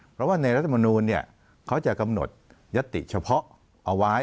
เพราะว่าในรัฐมนูลเขาจะกำหนดยติเฉพาะเอาไว้